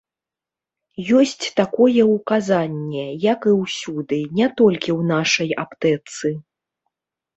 Ёсць такое ўказанне, як і ўсюды, не толькі ў нашай аптэцы.